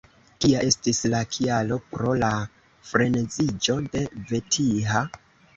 Kia estis la kialo pro la freneziĝo de Vetiha?